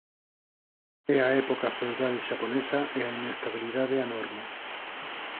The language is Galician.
É a época feudal xaponesa e a inestabilidade a norma.